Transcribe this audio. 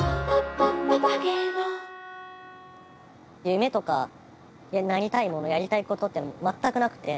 夢とかなりたいものやりたいことって全くなくて。